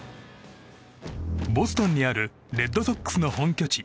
ボストンにあるレッドソックスの本拠地